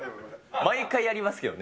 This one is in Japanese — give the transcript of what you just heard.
毎回やりますけどね。